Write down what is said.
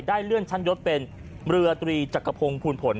เลื่อนชั้นยศเป็นเรือตรีจักรพงศ์ภูลผล